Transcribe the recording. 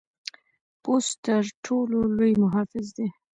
پوست تر ټر ټولو لوی محافظ دی.